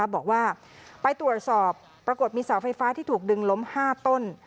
บอกว่าไปตรวจสอบปรากฏมีเสาไฟฟ้าที่ถูกดึงล้ม๕ต้น